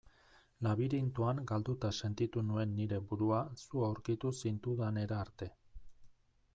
Labirintoan galduta sentitu nuen nire burua zu aurkitu zintudanera arte.